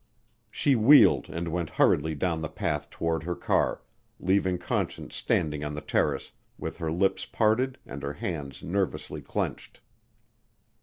She wheeled and went hurriedly down the path toward her car, leaving Conscience standing on the terrace, with her lips parted and her hands nervously clenched.